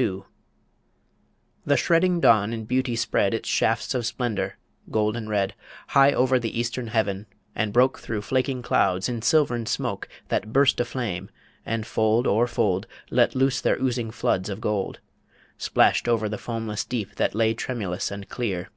II. The shredding dawn in beauty spread Its shafts of splendour, golden red, High over the eastern heaven, and broke Through flaking clouds in silvern smoke That burst aflame, and fold o'er fold, Let loose their oozing floods of gold, Splashed over the foamless deep that lay Tremulous and clear.